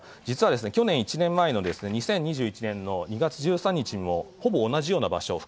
実は去年１年前の２０２１年２月１３日にもほぼ同じような場所